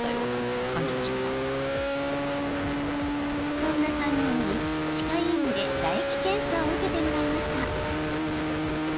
そんな３人に、歯科医院で唾液検査を受けてもらいました。